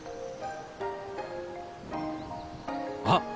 あっ！